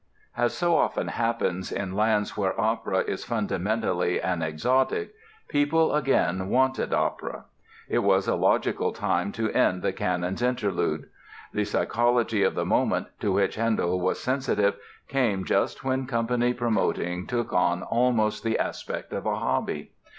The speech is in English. As so often happens in lands where opera is fundamentally an exotic people again wanted opera. It was a logical time to end the Cannons interlude. The psychology of the moment, to which Handel was sensitive, came just when company promoting took on almost the aspect of a hobby.